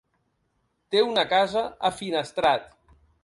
Té una casa a Finestrat.